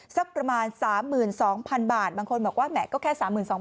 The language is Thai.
สักประมาณ๓๒๐๐๐บาทบางคนบอกว่าแหมก็แค่๓๒๐๐